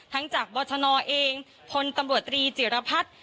จากบชนเองพลตำรวจตรีจิรพัฒน์